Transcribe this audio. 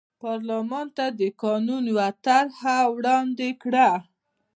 پارلمان ته د قانون یوه طرحه وړاندې کړه.